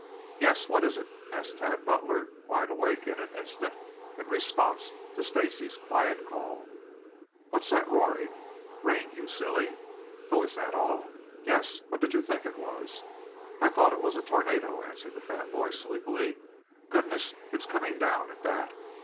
"Yes, what is it?" asked Tad Butler, wide awake in an instant in response to Stacy's quiet call. "What's that roaring?" "Rain, you silly." "Oh, is that all?" "Yes, what did you think it was?" "I I thought it was a tornado," answered the fat boy sleepily. "Goodness, it is coming down, at that!"